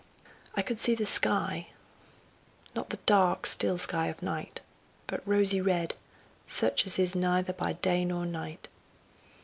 I could see the sky, not the dark, still sky of night, but rosy red, such as is neither by day nor night.